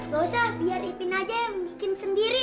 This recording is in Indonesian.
gak usah biar ipin aja yang bikin sendiri